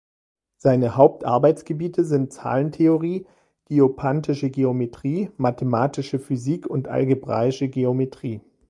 Seine Hauptarbeitsgebiete sind Zahlentheorie, Diophantische Geometrie, mathematische Physik und algebraische Geometrie.